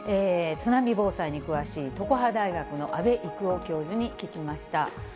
津波防災に詳しい常葉大学の阿部郁男教授に聞きました。